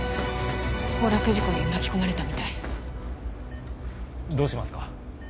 崩落事故に巻き込まれたみたいどうしますか？